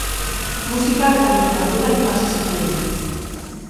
Musika eta literatura ikasi zituen.